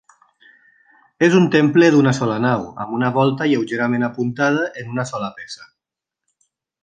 És un temple d'una sola nau, amb una volta lleugerament apuntada en una sola peça.